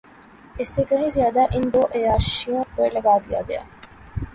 اس سے کہیں زیادہ ان دو عیاشیوں پہ لگا دیا گیا۔